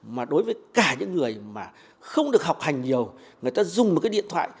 mà đối với cả những người mà không được học hành nhiều người ta dùng một cái điện thoại